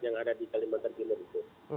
yang ada di kalimantan timur itu